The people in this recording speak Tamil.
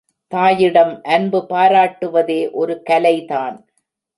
தாயிடம் அன்பு பாராட்டுவதே ஒரு கலை தான்.